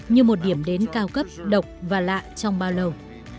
như một điểm đến cao cấp độc và lạ trong bao lâu